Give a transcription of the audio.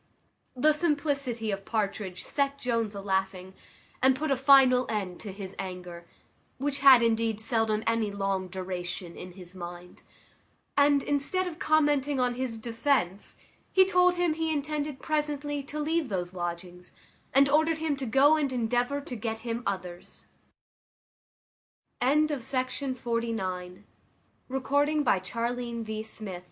_" The simplicity of Partridge set Jones a laughing, and put a final end to his anger, which had indeed seldom any long duration in his mind; and, instead of commenting on his defence, he told him he intended presently to leave those lodgings, and ordered him to go and endeavour to get him others. Chapter iv. Which we hope will be very attentively perused by young people of both sexes.